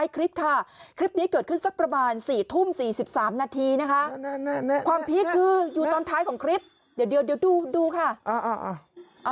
ครับคิดว่าอะไรคะอืมอะไรวะ